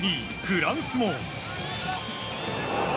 フランスも。